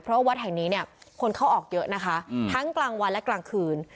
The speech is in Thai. เพราะวัดแห่งนี้เนี่ยคนเข้าออกเยอะนะคะทั้งกลางวันและกลางคืน